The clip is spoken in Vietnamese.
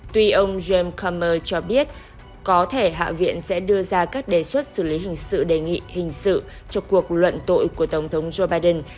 tuy ông james kammer cho biết có thể hạ viện sẽ đưa ra các đề xuất xử lý hình sự đề nghị hình sự cho cuộc luận tội của tổng thống joe biden